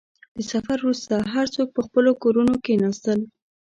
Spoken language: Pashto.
• د سفر وروسته، هر څوک په خپلو کورونو کښېناستل.